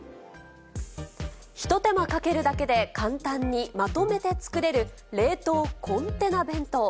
ひと手間かけるだけで、簡単にまとめて作れる冷凍コンテナ弁当。